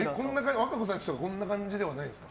和歌子さんの家こんな感じじゃないんですか？